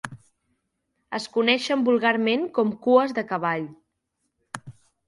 Es coneixen vulgarment com Cues de cavall.